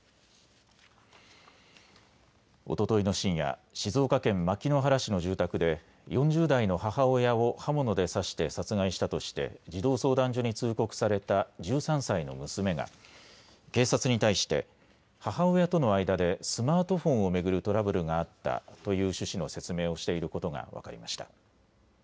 おとといの深夜、静岡県牧之原市の住宅で４０代の母親を刃物で刺して殺害したとして児童相談所に通告された１３歳の娘が警察に対して母親との間でスマートフォンを巡るトラブルがあったという趣旨の説明をしていることが分かりました。